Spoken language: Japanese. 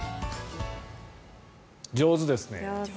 上手ですね。